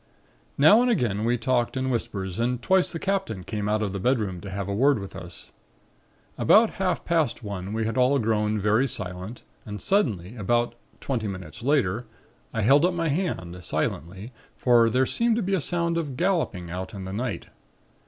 "Now and again we talked in whispers and twice the Captain came out of the bedroom to have a word with us. About half past one we had all grown very silent and suddenly, about twenty minutes later, I held up my hand, silently, for there seemed to be a sound of galloping out in the night.